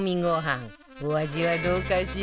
お味はどうかしら？